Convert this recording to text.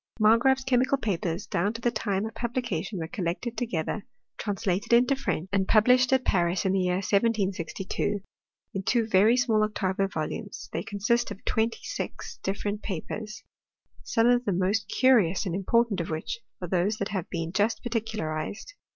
Margraaf's chemical papers, down to the time of publication, were collected together, translated into French and published at Paris in the year 1762^ in two very small octavo volumes, they consist of twenty six different papers : some of the most curious and important of which are those that have been just particularized.